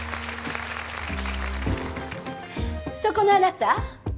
そこのあなた。